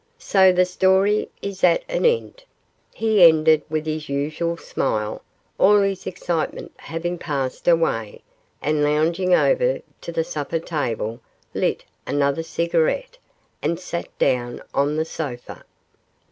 So the story is at an end.' He ended with his usual smile, all his excitement having passed away, and lounging over to the supper table lit a cigarette and sat down on the sofa.